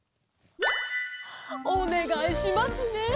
おねがいしますね。